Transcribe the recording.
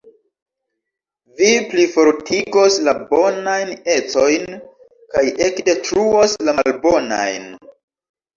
Vi plifortigos la bonajn ecojn kaj ekdetruos la malbonajn.